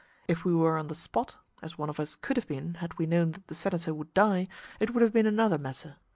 If we were on the spot, as one of us could have been had we known that the senator would die, it would have been another matter.